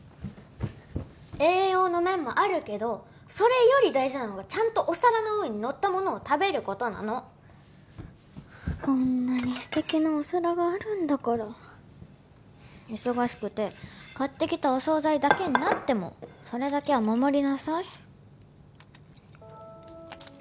栄養の面もあるけどそれより大事なのがちゃんとお皿の上にのったものを食べることなのこんなに素敵なお皿があるんだから忙しくて買ってきたお総菜だけになってもそれだけは守りなさい